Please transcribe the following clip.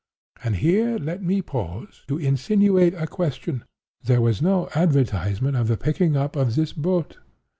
And here let me pause to insinuate a question. There was no advertisement of the picking up of this boat.